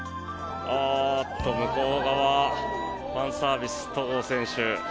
向こう側ファンサービス、戸郷選手。